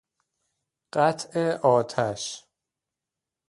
قطع آتش